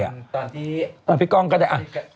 ตอนที่พี่ก้องก็ได้